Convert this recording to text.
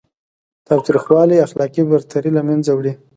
تاوتریخوالی اخلاقي برتري له منځه وړي.